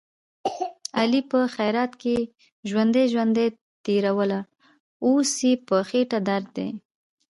علي په خیرات کې ژوندۍ ژوندۍ تېروله، اوس یې په خېټه درد دی.